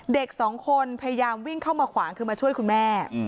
เด็กสองคนพยายามวิ่งเข้ามาขวางคือมาช่วยคุณแม่